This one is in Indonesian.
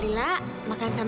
lila nah mumpung kamu disini